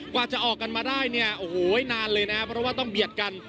กว่าจะออกกันมาได้เนี่ยโอ้โหนานเลยนะครับเพราะว่าต้องเบียดกัน